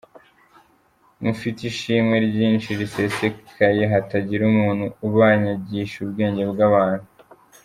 Mufite ishimwe ryinshi risesekaye hatagira umuntu ubanyagisha ubwenge bw’abantu